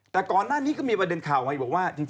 แต่ก่อนหน้านี้ก็มีประเด็นข่าวมา